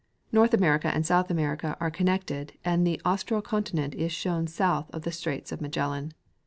North America and South America are connected, and the Austral continent is shown south of the straits of Magellan.